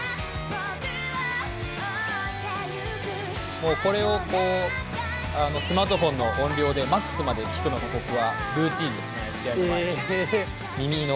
もう、これをスマートフォンの音量で、マックスまで聴くのが、僕はルーティーンですね、試合の前の。